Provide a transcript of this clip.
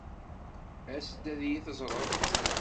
As-d ad iyi-teẓṛeḍ.